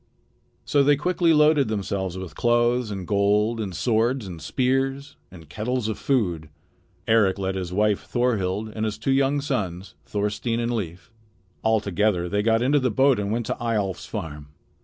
So they quickly loaded themselves with clothes and gold and swords and spears and kettles of food. Eric led his wife Thorhild and his two young sons, Thorstein and Leif. All together they got into the boat and went to Eyjolf's farm.